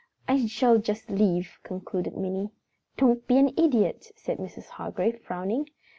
"I shall just leave!" concluded Minnie. "Don't be an idiot!" said Mrs. Hargrave, frowning.